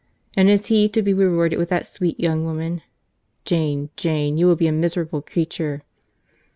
—And is he to be rewarded with that sweet young woman?—Jane, Jane, you will be a miserable creature."